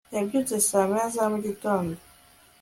yabyutse saa moya za mu gitondo